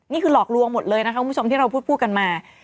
นี่คือหลอกลวงหมดเลยนะคะคุณผู้ชมที่เราพูดกันมา